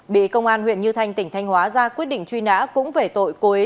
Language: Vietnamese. bị công an huyện như thanh tỉnh thanh hóa ra quyết định truy nã cũng về tội cô ấy